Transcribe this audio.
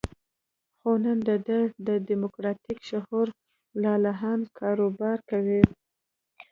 خو نن د ده د دیموکراتیک شعور دلالان کاروبار کوي.